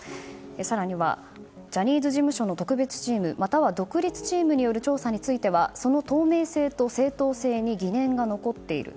更にはジャニーズ事務所の特別チームまたは独立チームによる調査についてはその透明性と正当性に疑念が残っている。